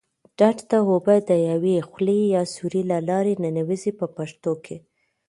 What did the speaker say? ډنډ ته اوبه د یوې خولې یا سوري له لارې ننوزي په پښتو کې.